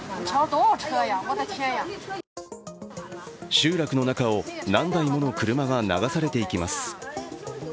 集落の中を何台もの車が流されていきます。